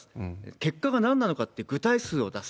結果がなんなのかって具体数を出す。